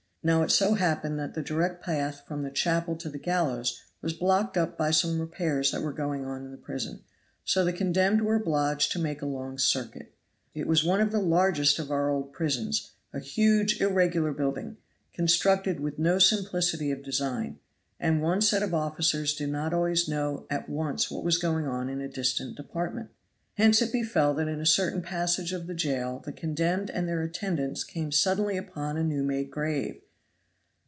Now it so happened that the direct path from the chapel to the gallows was blocked up by some repairs that were going on in the prison, so the condemned were obliged to make a long circuit. It was one of the largest of our old prisons, a huge, irregular building, constructed with no simplicity of design, and one set of officers did not always know at once what was going on in a distant department. Hence it befell that in a certain passage of the jail the condemned and their attendants came suddenly upon a new made grave!